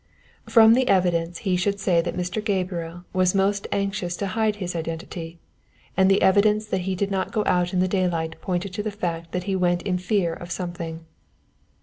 _ "_From the evidence he should say that Mr. Gabriel was most anxious to hide his identity, and the evidence that he did not go out in daylight pointed to the fact that he went in fear of something.